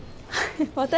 私